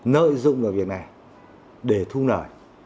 nợ dụng là việc này để thu nợ